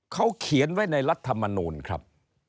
เขาเขียนไว้ในรัฐมนูลครับ